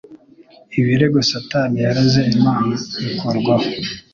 Ibirego Satani yareze Imana bikurwaho.